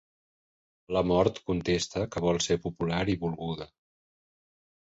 La mort contesta que vol ser popular i "volguda".